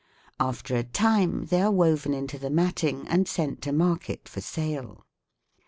After a time they are woven into the matting and sent to market for sale.